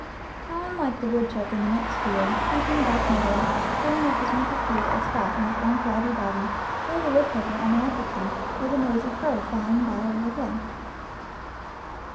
How unlike the woodchuck in the next field, creeping about the meadow, storing up his winter fuel as fat in his own flabby body, or the woodpecker on the apple tree, or the noisy crow flying by overhead!